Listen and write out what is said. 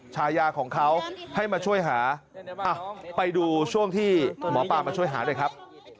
ชายาของเขาให้มาช่วยหาไปดูช่วงที่หมอปลามาช่วยหาหน่อยครับ